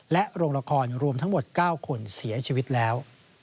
และโรงละครรวมทั้งหมด๙คนเสียชีวิตแล้ว